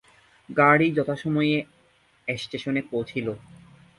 গাড়ি যথাসময়ে স্টেশনে পৌঁছিল।